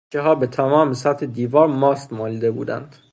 بچهها به تمام سطح دیوار ماست مالیده بودند.